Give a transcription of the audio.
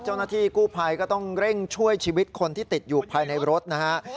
เจ้าหน้าที่กู้ภัยก็ต้องเร่งช่วยชีวิตคนที่ติดอยู่ภายในรถนะฮะ